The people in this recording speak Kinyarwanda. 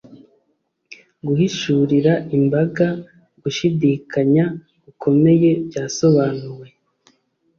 guhishurira imbaga gushidikanya gukomeye byasobanuwe